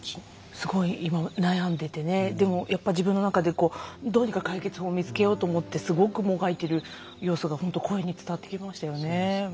すごい今、悩んでてでも自分の中でどうにか解決法を見つけようともがいている様子が本当に声に伝わってきますよね。